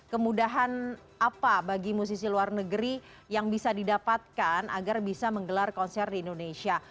kemudahan apa bagi musisi luar negeri yang bisa didapatkan agar bisa menggelar konser di indonesia